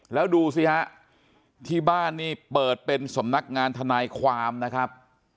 แล้วดูสิฮะที่บ้านนี่เปิดเป็นสำนักงานทนายความนะครับ